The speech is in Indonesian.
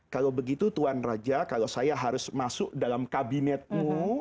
kalau begitu tuhan raja kalau saya harus masuk dalam kabinetmu